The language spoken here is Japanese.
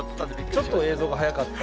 ちょっと映像が早かった。